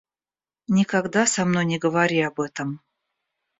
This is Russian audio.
Никогда со мной не говори об этом.